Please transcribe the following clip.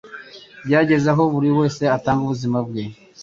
byageze aho buri wese atanga ubuzima bwe